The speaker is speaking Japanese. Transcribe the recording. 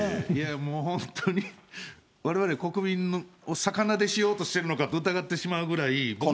もう本当に、われわれ国民を逆なでしようとしてるのかと疑ってしまうぐらい。